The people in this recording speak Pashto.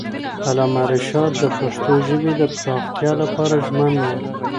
علامه رشاد د پښتو ژبې د پراختیا لپاره ژمن وو.